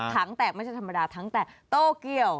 งแตกไม่ใช่ธรรมดาถังแตกโต้เกี้ยว